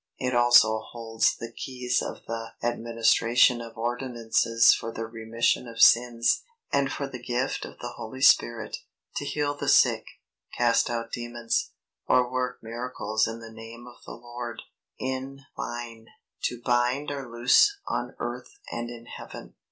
It also holds the keys of the administration of ordinances for the remission of sins, and for the gift of the Holy Spirit; to heal the sick, cast out demons, or work miracles in the name of the Lord; in fine, to bind or loose on earth and in heaven.